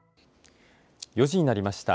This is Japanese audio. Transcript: ４時になりました。